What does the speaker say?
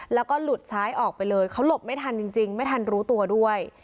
แล้วก็หลุดซ้ายออกไปเลยเขาหลบไม่ทันจริงไม่ทันรู้ตัวด้วย